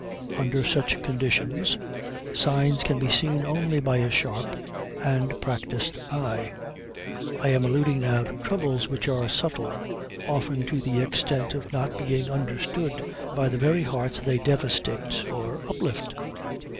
Under such conditions, signs can be seen only by a sharp and practised eye. I am alluding now to troubles which are subtle often to the extent of not being understood by the very hearts they devastate or uplift.